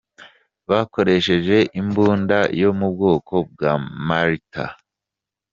Bakoresheje imbunda yo mu bwoko bwa Mortal!!